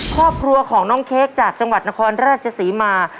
ครอบครัวของน้องเค้กจากจังหวัดนครราชศรีมา